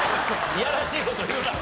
いやらしい事言うな。